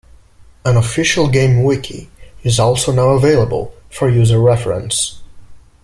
An official game wiki is also now available for user reference.